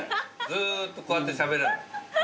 ずーっとこうやってしゃべれる。